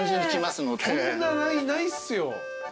こんなないっすよ。